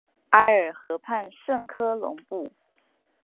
埃尔河畔圣科隆布。